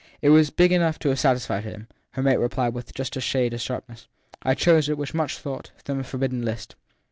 It was big enough to have satisfied him, her mate replied with just a shade of sharpness. I chose it, with much thought, from the forbidden list.